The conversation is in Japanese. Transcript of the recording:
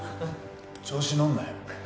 調子のんなよ。